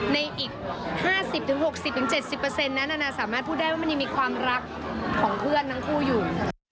ในอีก๕๐๖๐๗๐นั้นนานาสามารถพูดได้ว่ามันยังมีความรักของเพื่อนทั้งคู่อยู่